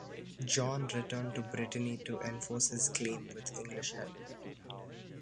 John returned to Brittany to enforce his claim, with English help.